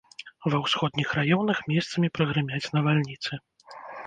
Ва ўсходніх раёнах месцамі прагрымяць навальніцы.